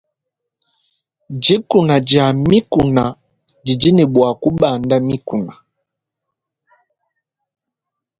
Dikuna dia mikuna didi ne bua kubanda mikuna.